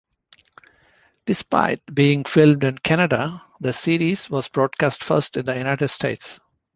Despite being filmed in Canada, the series was broadcast first in the United States.